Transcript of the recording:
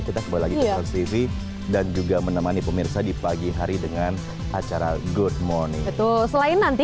kita kembali lagi ke transtv dan juga menemani pemirsa di pagi hari dengan acara good morning betul selain nanti